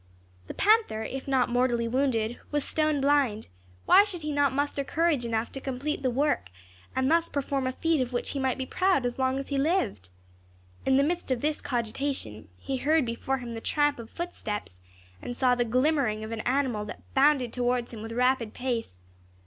The panther, if not mortally wounded, was stone blind; why should he not muster courage enough to complete the work, and thus perform a feat of which he might be proud as long as he lived? In the midst of this cogitation, he heard before him the tramp of footsteps, and saw the glimmering of an animal that bounded towards him with rapid pace.